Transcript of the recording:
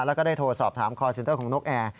แล้วก็ได้โทรสอบถามคอร์เซ็นเตอร์ของนกแอร์